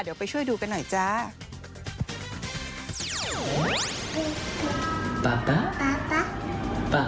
เดี๋ยวไปช่วยดูกันหน่อยจ้า